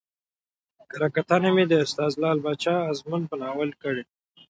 کره کتنه مې د استاد لعل پاچا ازمون په ناول کړى